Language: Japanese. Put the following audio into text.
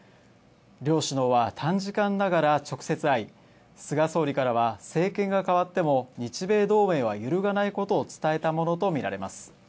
両首脳は短時間ながら直接会い、菅総理からは政権がかわっても日米同盟は揺るがないことを伝えたものとみられます。